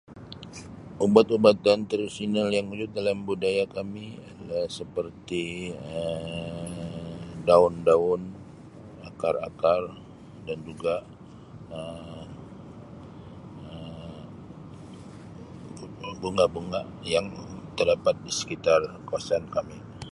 Ubat-ubatan tradisional yang wujud dalam budaya kami adalah seperti Um daun-daun, akar-akar dan juga Um bunga-bunga yang terdapat di sekitar kawasan kami.